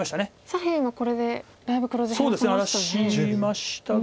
左辺はこれでだいぶ黒地減らせましたね。